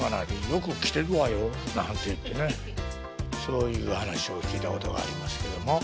「よく切てるわよ」なんて言ってねそういう話を聞いたことがありますけども。